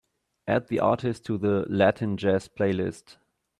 Add the artist to the Latin Jazz playlist.